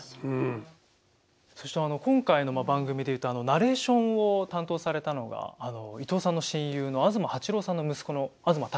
そしてあの今回の番組で言うとナレーションを担当されたのがあの伊東さんの親友の東八郎さんの息子の東貴博さんが。